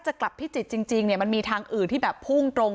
จะกลับพิจิตรจริงเนี่ยมันมีทางอื่นที่แบบพุ่งตรง